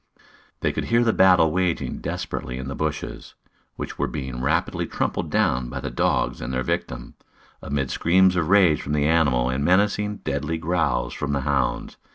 They could hear the battle waging desperately in the bushes, which were being rapidly trampled down by the dogs and their victim, amid screams of rage from the animal and menacing, deadly growls from the hounds.